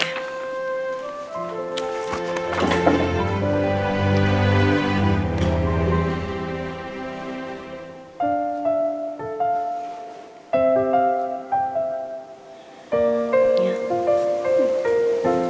cuma tuhan pokoknya kan